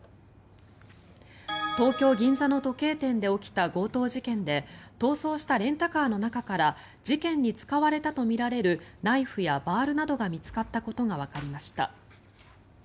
東京・銀座の時計店で起きた強盗事件で逃走したレンタカーの中から事件に使われたとみられるナイフやバールなどが見つかったことがわかりました。